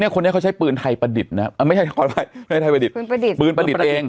คนนี้เขาใช้ปืนไทยประดิษฐ์นะ